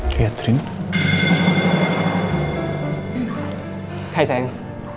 keatrin hai sayang